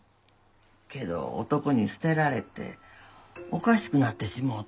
けど男に捨てられておかしくなってしもうて。